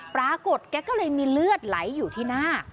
ปรากฏแกก็เลยมีเลือดไหลอยู่ที่หน้า